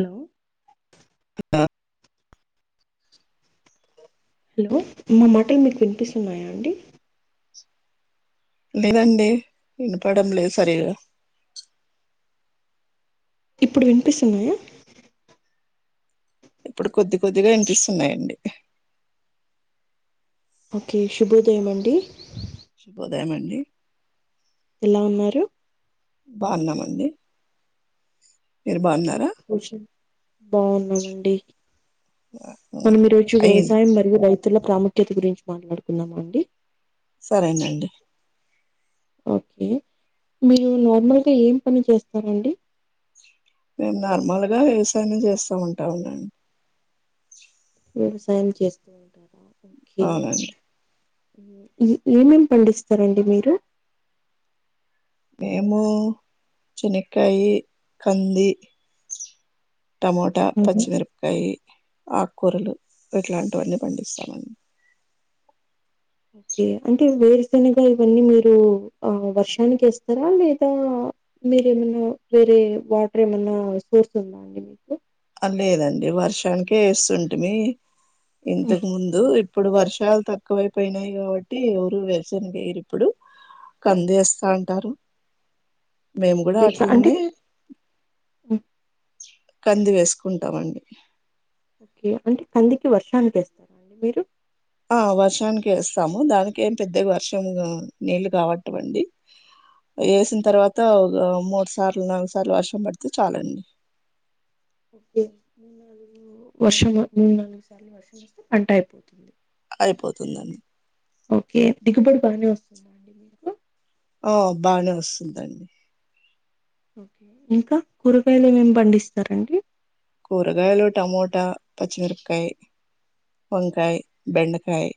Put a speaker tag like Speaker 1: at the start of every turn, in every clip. Speaker 1: Hello
Speaker 2: హ
Speaker 1: hello మా మాటల్ మీకు వినిపిస్తున్నాయాన్డి
Speaker 2: లేదండి వినపడం లేదు సరిగా.
Speaker 1: ఇప్పుడు వినిపిస్తున్నాయా?
Speaker 2: ఇప్పుడు కొద్ది కొద్దిగా ఇనిపిస్తున్నాయండి.
Speaker 1: ఓకే శుభోదయం అండి.
Speaker 2: శుభోదాయం అండి.
Speaker 1: ఎలా ఉన్నారు?
Speaker 2: బాగున్నామండి. మీరు బాగున్నారా
Speaker 1: బాగున్నామండి మనం ఈరోజు
Speaker 2: అయ్యింది
Speaker 1: వ్యవసాయం మరియు రైతుల ప్రాముఖ్యత గురించి మాట్లాడుకుందామ అండి?
Speaker 2: సరేనండి
Speaker 1: ఓకే మీరు నార్మల్గా ఏం పని చేస్తారండి?
Speaker 2: మేము నార్మల్ గా వ్యవసాయమే చేస్తు ఉంటామండి
Speaker 1: వ్యవసాయం చేస్తూ ఉంటారా ఓకే.
Speaker 2: అవునండి
Speaker 1: ఏమేం పండిస్తారండి మీరు?
Speaker 2: మేము చెనేకాయి, కంది టమోటా, పచ్చిమిరపకాయి, ఆకుకూరలు ఇట్లాంటివన్నీ పండిస్తామండి.
Speaker 1: ఓకే అంటే వేరుశనగా ఇవన్నీ మీరు ఆ వర్షానికి ఏస్తారా లేదా మీరేమన్నా వేరే వాటర్ ఏమన్నా సోర్స్ ఉందా అండి మీకు?
Speaker 2: ఆ లేదండి వర్షానికే ఏస్తుంటిమి
Speaker 1: హ్మ్.
Speaker 2: ఇంతకు ముందు ఇప్పుడు వర్షాలు తక్కువైపోయినాయి కాబట్టి ఎవరు వేరుసెనగ వేయరు ఇప్పుడు. కందేస్తా ఉంటారు. మేము గుడ
Speaker 1: ఓకే. క అంటే
Speaker 2: అట్లనే
Speaker 1: హ్మ్.
Speaker 2: కంది వేస్ స్ కుంటామండి
Speaker 1: ఓకే అంటే కందికి వర్షానికేస్తారా అండి మీరు?
Speaker 2: ఆ వర్షానికే ఏస్తాము దానికి ఏం పెద్దగా వర్షం నీళ్ళు కావట్ట వండి. ఏసిన తర్వాత ఆ మూడు సార్లు, నాలుగు సార్లు వర్షం పడితే చాలండి
Speaker 1: ఓ మూ నాలుగు వర్షం మూ నాలుగు సార్లు వర్షం వస్తే పంట అయిపోతుంది
Speaker 2: అయిపోతుందం
Speaker 1: ఓకే దిగుబడి బానే వస్తుం
Speaker 2: ఆ బానే వస్తుందండి.
Speaker 1: ఓకే ఇంకా కూరగాయలు ఏమేమి పండిస్తారండి?
Speaker 2: కూరగాయలు టమోటా, పచ్చిమిరపకాయ్, వంకాయ్, బెండకాయ్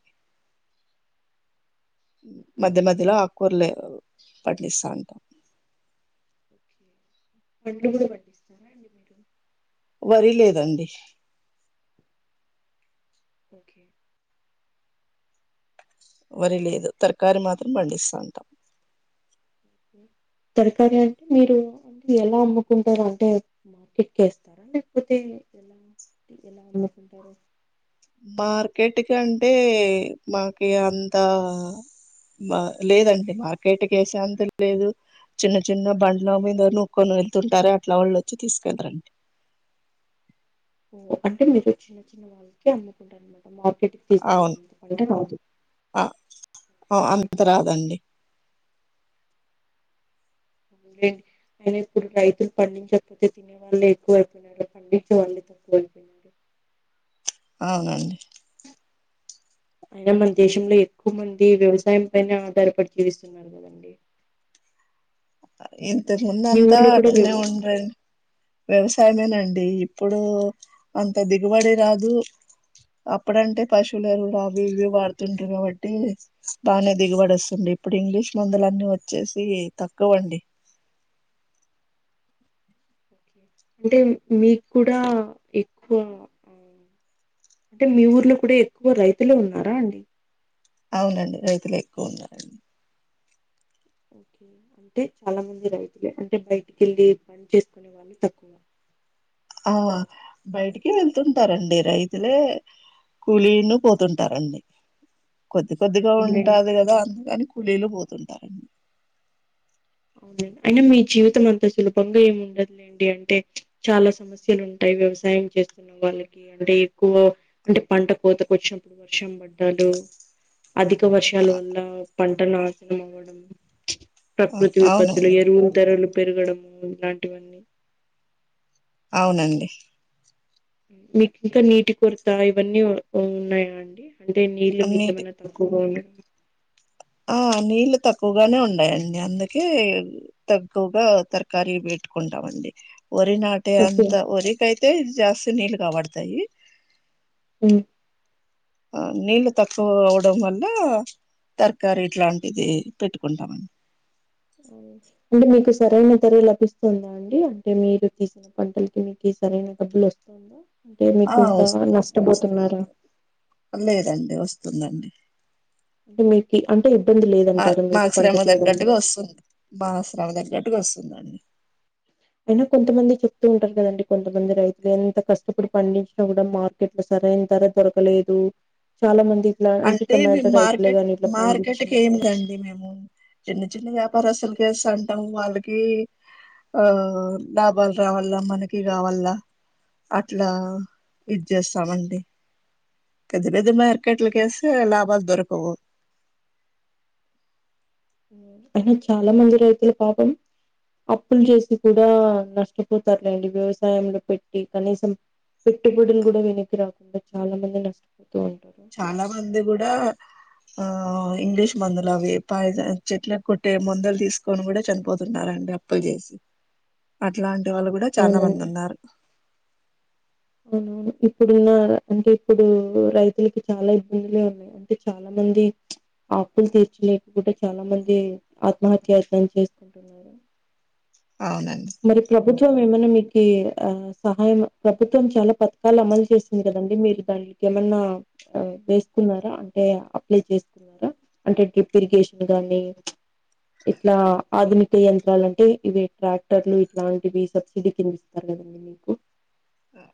Speaker 2: మధ్య మధ్యలో ఆకూరలే పండిస్తాంటం
Speaker 1: ఓకే. పండ్లు గుడా పండిస్తారా? అండి మీరు?
Speaker 2: వరి లేదండి.
Speaker 1: ఓకే
Speaker 2: వరి లేదు తరకారి మాత్రం పండిస్తాంటం.
Speaker 1: తరకారి అంటే మీరు ఎలా అమ్ముకుంటారు అంటే మార్కెట్ కేస్తారా లేకపోతే ఎలా అంటే ఎలా అమ్ముకుంటారు?
Speaker 2: మార్కెట్ కంటే మాకి అంత మా లేదండి మార్కెట్ కేసేఅంత లేదు. చిన్న చిన్న బండ్ల మీద నూక్కొని వెళ్తుంటారే అట్ల వాళ్ళు వచ్చి తీసుకెళ్తరండి.
Speaker 1: ఓ అంటే మీరు చిన్న చిన్న వాళ్ళకే అమ్ముకుంటారనమాట మార్కెట్
Speaker 2: అవును ఆ
Speaker 1: ఓకే.
Speaker 2: అంత రాదండి.
Speaker 1: అడి అయిన ఇప్పుడు రైతులు పండించకపోతే తినే వాళ్ళే ఎక్కువ అయిపోయిన పండించే వాళ్ళే తక్కువ అైపోయినరు
Speaker 2: అవునండి
Speaker 1: అయినా మన దేశంలో ఎక్కువ మంది వ్యవసాయం పైనే ఆధారపడి జీవిస్తున్నారు కదండి
Speaker 2: ఎంతటోళ్ళు
Speaker 1: మీ
Speaker 2: అంత
Speaker 1: ఊర్లో కూడా
Speaker 2: అట్లనే
Speaker 1: వ్యవసాయం
Speaker 2: ఉండ్రండి వ్యవసాయమేనండి ఇప్పుడు అంత దిగుబడి రాదు అప్పుడంటే పశువుల ఎరువులు అవి ఇవి వాడుతుంటారు కాబట్టి బానే దిగుబడోస్తుంది ఇప్పుడు ఇంగ్లీష్ మందులన్నీ వచ్చేసి తక్కువండి
Speaker 1: ఓకే. అంటే మీకు కూడా ఎక్కువ ఆహ్ అంటే మీ ఊర్లో కూడా ఎక్కువ రైతులు ఉన్నారా అండి
Speaker 2: అవునండి రైతులే ఎక్కువ ఉన్నారు
Speaker 1: అంటే చాలా మంది రైతులే అంటే బయటికి వెళ్ళి పని చేసుకునే వాళ్ళు తక్కువ
Speaker 2: ఆ బయటికి వెళ్తుంటరండి రైతులే కూలీను పోతుంటారండి కొద్ది కొద్దిగా
Speaker 1: అవునులెండి.
Speaker 2: ఉంటది కదా అందుకని కూలీలు పోతుంటరు
Speaker 1: అవునండి అయినా మీ జీవితం అంత సులభంగా ఏమి ఉండదులేండి అంటే చాలా సమస్యలు ఉంటాయి వ్యవసాయం చేస్తున్న వాళ్ళకి అంటే ఎక్కువ అంటే పంట కోతకు వచ్చినప్పుడు వర్షం పడ్డాలు అధిక వర్షాల
Speaker 2: ఆ,
Speaker 1: వల్ల పంట నాశనం అవ్వడం
Speaker 2: ఆ,
Speaker 1: కృతి విపత్తులు
Speaker 2: అవునండి
Speaker 1: ఎరువుల ధరలు పెరగడము ఇలాంటివన్నీ
Speaker 2: అవునండి
Speaker 1: మీకు ఇంకా నీటి కొరత ఇవన్నీ ఉన్నాయా అండి అంటే నీళ్లు
Speaker 2: అన్నిటి
Speaker 1: మీకేమన్న తక్కువ
Speaker 2: ఆ నీళ్లు తక్కువగానే ఉన్నాయండి అందుకే తక్్కువగా తర్క్కరి పెట్టుకుంటామండి వరినా టే
Speaker 1: ఓకే
Speaker 2: అంత వరికి అయితే జాస్తి నీళ్ళు కాబడుతాయి
Speaker 1: మ్
Speaker 2: ఆ నీళ్ళు తక్కువ అవడం వల్ల తర్కారి ఇట్లాంటివి పెట్టుకుంటామండి
Speaker 1: అంటే మీకు సరైన ధర లభిస్తుంది అండి మీరు తీసిన పంటలకి మీకు సరైన డబ్బులు వస్తుందా అంటే మీకు
Speaker 2: ఆ
Speaker 1: ఇంకా
Speaker 2: వస్తుంది వస్తుంది
Speaker 1: నష్టపోతున్నారా
Speaker 2: లేదండి వస్తుందండి
Speaker 1: అంటే మీకు అంటే ఇబ్బంది
Speaker 2: మా
Speaker 1: లేదంటారు
Speaker 2: మా
Speaker 1: మీకు పంట
Speaker 2: శ్రమ
Speaker 1: తీయడం
Speaker 2: తగ్గట్టుగా వస్తుంది మ శ్రమా దగ్గట్టుగా వస్తుందండి
Speaker 1: అయినా కొంతమంది చెప్తూ ఉంటారు కదండి కొంతమంది రైతులు ఎంత కష్టపడి పండించినా కూడా మా ట్ల సరైన ధర దొరకలేదు చాలా మంది ఇట్లా
Speaker 2: అంటే మేము
Speaker 1: టొమాటో రైతులే
Speaker 2: మార్కెట్
Speaker 1: గాని ఇట్లా
Speaker 2: మార్కెట్
Speaker 1: పండించిన
Speaker 2: కియా మండి మేము చిన్న చిన్న వ్యాపార అసలుకేస్తంటాము వాళ్ళకి ఆ లాభాలు రావాలా మనకి కావాల్ల అట్లా ఇది చేస్తామండి పెద్ద పెద్ద మార్కెట్ల కేస్తే లాభాలు దొరకవు
Speaker 1: అయినా చాలా మంది రైతులు పాపం అప్పులు చేసి కూడా నష్టపోతారులేండి వ్యవసాయంలో పెట్టి కనీసం పెట్టుబడులు కూడా వెనక్కి రాకుండా చాలా మంది నష్టపోతూ ఉంటారు
Speaker 2: చాలా మంది కూడా ఆ ఇంగ్లీష్ మందులు అవి పైన చెట్ల కొట్టే మందులు తీసుకొని కూడా చనిపోతున్నారం టా పో జెస్ అట్లాంటి వాళ్ళు కూడా చాలా మంది
Speaker 1: అవునండి
Speaker 2: ఉన్నారు
Speaker 1: అవును ఇప్పుడున్న అంటే ఇప్పుడు రైతులకి చాలా ఇబ్బందులే ఉన్నా అంటే చాలా మంది అప్పులు తీర్చలేకపోతే చాలామంది ఆత్మహత్య యత్నం చేసుకుంటు
Speaker 2: అవునండి
Speaker 1: మరి ప్రభుత్వం ఏమైనా మీకు ఆ సహాయం ప్రభుత్వం చాలా పథకాలు అమలు చేసింది కదండి మీరు దానికి ఏమన్నా ఆ వేసుకున్నారా అంటే అప్లై చేసుకు ఇంకా అంటే డిప్రికేషన్ గాని ఇట్లా ఆధునిక యంత్రాలు అంటే ఇవి ట్రాక్ సర్లే ఇట్లాంటివి సబ్సిడీ కింద ఇస్తారు కదండి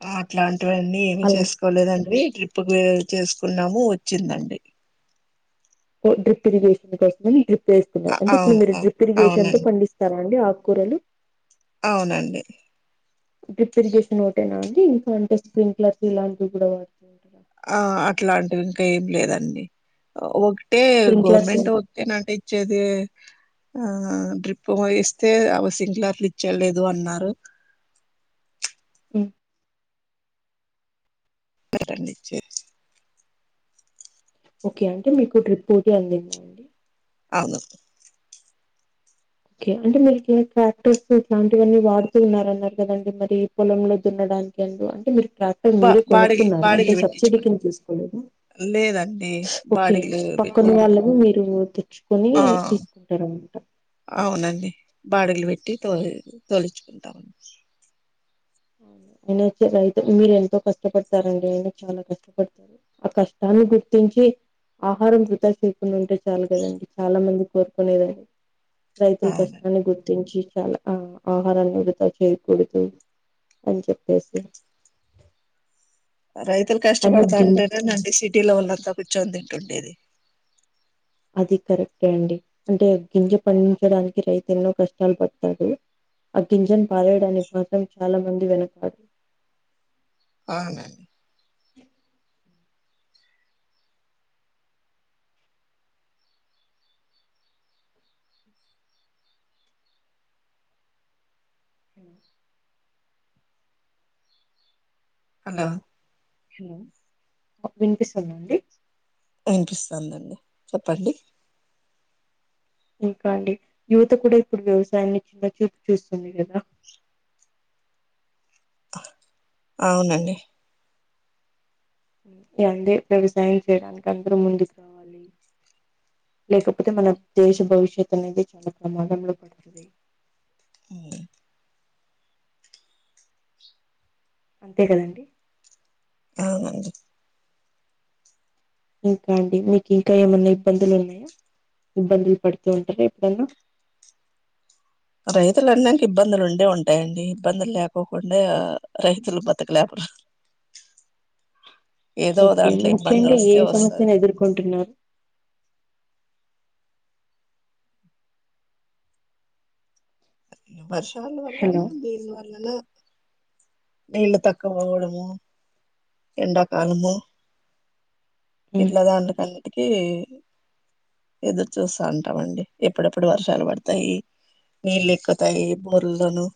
Speaker 2: ఆ అట్లాంటివన్నీ ఏమి
Speaker 1: అలా
Speaker 2: చేసుకోలేదండి ట్రిప్ చేసుకున్నాము వచ్చిందండి
Speaker 1: డ్రిప్ ఇరిగేషన్ కోసం డ్రిప్
Speaker 2: అ
Speaker 1: వేస్తున్నారు అంటే ఇప్పుడు
Speaker 2: అవును
Speaker 1: మీరు
Speaker 2: అ
Speaker 1: డ్రిప్ ఇరిగేషన్ తో
Speaker 2: అవునండి
Speaker 1: పండిస్తున్నారు ఇస్తారా అండి ఆకుకూరలు
Speaker 2: అవునండి
Speaker 1: డ్రిప్ ఇరిగేషన్ ఒకటేనా అండి ఇంకా అంటే స్క్రీన్ క్లర్క్ ఇలాంటివి కూడా అంట
Speaker 2: ఆ అట్లాంటివి ఇంకా ఏం లేదండి ఒకటే
Speaker 1: స్ప్రింక్లర్స్
Speaker 2: గవర్నమెంట్
Speaker 1: ఏంటి?
Speaker 2: ఇలాంటి ఇచ్చేది ఆ డ్రిప్ ఇస్తే అవ సిక్ల క్లాట్లు ఇచ్చేది లేదన్నారు.
Speaker 1: ఉమ్
Speaker 2: ఎవరండీ ఇచ్చేది
Speaker 1: ఓకే అంటే మీకు ట్రిప్ రూట్ అందేమో
Speaker 2: అవును
Speaker 1: ఓకే అంటే మీరికి కార్టూన్స్ ఇలాంటివన్నీ వాడుతూ ఉన్నారన్నారు కదండి మరి పొలంలో దున్నడానికి అందు అంటే మీరు ట్రాక్టర్
Speaker 2: బా
Speaker 1: మీరే
Speaker 2: బాడీలు
Speaker 1: కొనుక్కున్నారు అంటే
Speaker 2: బాడీలు
Speaker 1: సబ్సిడీ
Speaker 2: పెట్టించుకుంట
Speaker 1: కింద తిసుకోలేదు
Speaker 2: లేదండి
Speaker 1: ఓకే
Speaker 2: బాడీలు
Speaker 1: పక్కన
Speaker 2: పెట్టి
Speaker 1: వాళ్ళను మీరు తెచ్చుకొని
Speaker 2: ఆ
Speaker 1: ఇస్తారన్నమాట.
Speaker 2: అవునండి బాడిలు పెట్టి తో కోలుచుకుంటామండి
Speaker 1: అయిన రైతు మీరు ఎంతో కష్టపడతారండి అయిన చాలా కష్టపడతారు ఆ కష్టాన్ని గుర్తించి ఆహారం వృధా చేయకుండా ఉంటే చాలు కదండి చాలా మంది కోరుకునేదండి రైతుల
Speaker 2: అవునండి
Speaker 1: కష్టాన్ని గుర్తించి చాలా ఆ ఆహారాన్ని వృధా చేయకూడదు పని చెప్పేసి
Speaker 2: రైతులు
Speaker 1: ఆయన ఒక
Speaker 2: కష్టపడతా
Speaker 1: గిం
Speaker 2: ఉంటేనే అండి సిటీలో వాళ్లంతా కూర్చొని తింటుండేది
Speaker 1: అది కరెక్టే అండి అంటే గింజ పండించడానికి రైతులు కష్టాలు పడతాడు ఆ గింజన్ పారేయడానికి మాత్రం చాలా మంది వెనకాడు
Speaker 2: అవునండి
Speaker 1: అ
Speaker 2: హలో
Speaker 1: హలో వినిపిస్తుందా అండి
Speaker 2: వినిపిస్తుందండి చెప్పండి
Speaker 1: ఇంకా అండి యువత కూడా ఇప్పుడు వ్యవసాయాన్ని కింద చూపు చూస్తుంది కదా
Speaker 2: అవునండి.
Speaker 1: వందే వ్యవసాయం చేయడానికి అందరూ ముందు లేకపోతే మన దేశ భవిష్యత్ అనేది చాలా ప్రమాదంలో పడుతుంది.
Speaker 2: అ
Speaker 1: అంతే కదండి
Speaker 2: ఔనండి
Speaker 1: ఇంకా అండి మీకు ఇంకా ఏమన్నా ఇబ్బందులు ఉన్నాయా ఇబ్బందులు పడుతూ ఉంటారా ఎప్పుడన్నా
Speaker 2: రైతులు అన్నాక ఇబ్బందులు ఉండే ఉంటాయండి ఇబ్బందులు లేకోకుండా రైతులు బతుకులేప ఏదో
Speaker 1: ఓకే,
Speaker 2: దాంట్లో ఇబ్బంది
Speaker 1: ముఖ్యంగా ఏ
Speaker 2: వస్తే వస్తది
Speaker 1: సమస్యను ఎదుర్కొంటున్నారు.
Speaker 2: వర్షాలు
Speaker 1: హలో
Speaker 2: వల్లనా బీల్ వల్లనా నీళ్ళ తక్క పోవడమో ఎండాకాలమో
Speaker 1: ఉమ్
Speaker 2: ఇట్లా దాంటకన్నిటికి ఎదురు చూస్తా అంటామండి ఎప్పుడెప్పుడు వర్షాలు పడతాయి నీళ్లు ఎక్కుతాయి బోర్లను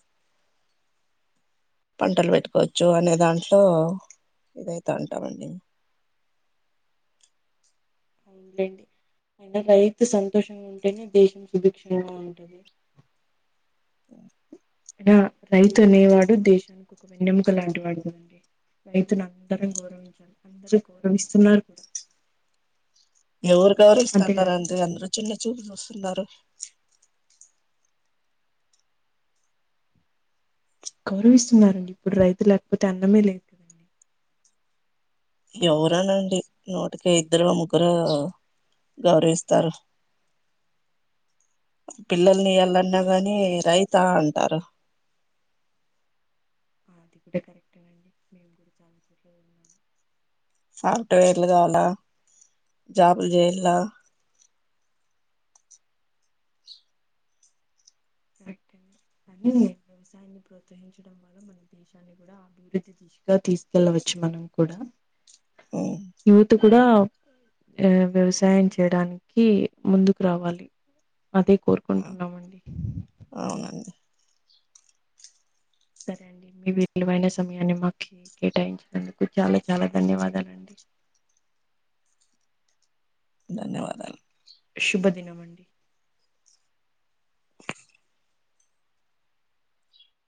Speaker 2: పంటలు పెట్టుకోవచ్చు అనే దాంట్లో ఇదైతే ఉంటామండి
Speaker 1: రైతు సంతోషంగా ఉంటేనే దేశం సుభిక్షంగా ఉంటుంది. రా రైతు అనేవాడు దేశానికి ఒక నెమూక లాంటి వాడు కదండి రైతుని అందరం గౌరవించాలి అందరు గౌరవిస్తున్నారు కూడా
Speaker 2: ఎవరు
Speaker 1: అంతే
Speaker 2: గురవరిస్తున్నారు
Speaker 1: కదండి
Speaker 2: అండి అందరు చిన్న చూపు చూస్తున్నారు
Speaker 1: గౌరవిస్తున్నారండి ఇప్పుడు రైతు లేకపోతే అన్నమే లేదు. కదండి
Speaker 2: ఎవరనండి నూటికి ఇద్దరో ముగ్గురో గౌరవిస్తారు. పిల్లల్ని ఇయాలన్నా గాని రైతా అంటారు.
Speaker 1: కరెక్ట్
Speaker 2: సాఫ్ట్వేర్లు కావాల జాబ్లు చేయాల
Speaker 1: మ్ [unintelligible] మన దేశాన్ని కూడా అభివృద్ధి దిశగా తీసుకెళ్ళవచ్చు మనం కూడా యూత్ కూడా ఆ వ్యవసాయం చేయడానికి ముందుకు రావాలి అదే కోరుకుంటున్నామండి
Speaker 2: అవునండి
Speaker 1: సరే అండి మీ విలువైన సమయాన్ని మాకు కేటాయించినందుకు చాలా చాలా ధన్యవాదాలండి.
Speaker 2: ధన్యవాదాలు
Speaker 1: శుభ దినమండి